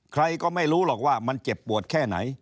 ใครก็ไม่รู้หรอกว่ามันเจ็บปวดแค่ไหน